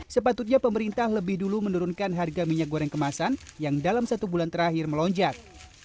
sepatutnya pemerintah lebih dulu menurunkan harga minyak goreng kemasan yang dalam satu bulan terakhir melonjak